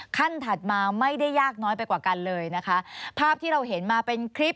ถัดมาไม่ได้ยากน้อยไปกว่ากันเลยนะคะภาพที่เราเห็นมาเป็นคลิป